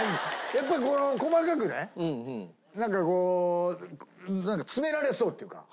やっぱり細かくねなんかこう詰められそうっていうか。